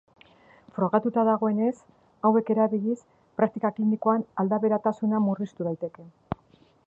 Frogatuta dagoenez, hauek erabiliz praktika klinikoan aldaberatasuna murriztu daiteke.